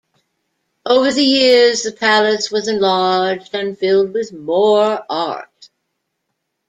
Over the years the palace was enlarged and filled with more art.